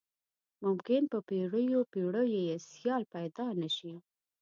ممکن په پیړیو پیړیو یې سیال پيدا نه شي.